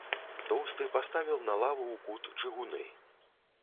Тоўсты паставіў на лаву ў кут чыгуны.